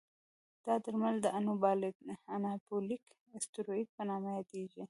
دا درمل د انابولیک استروئید په نامه یادېږي.